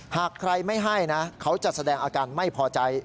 หากใครไม่ให้นะเขาจะแสดงอาการไม่พอใจ